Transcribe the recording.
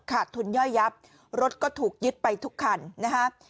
ขาดทุนย่อยยับรถก็ถูกยึดไปทุกคันนะฮะ